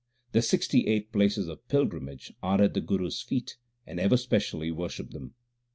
The sixty eight places of pilgrimage are at the Guru s feet, and ever specially worship them.